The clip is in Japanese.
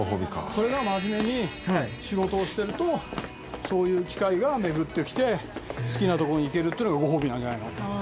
これが真面目に仕事をしてるとそういう機会が巡ってきて好きなとこに行けるっていうのがごほうびなんじゃないの。